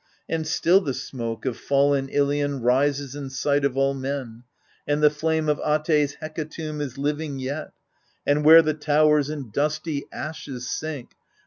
And still the smoke of fallen Ilion Rises in sight of all men, and the flame Of At^'s hecatomb is living yet. And where the towers in dusty ashes sink.